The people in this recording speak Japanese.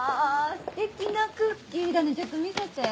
ステキなクッキーだねちょっと見せて？